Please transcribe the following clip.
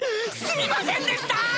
すみませんでした！